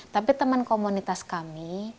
tapi teman komunitas kami